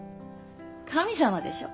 神様でしょ。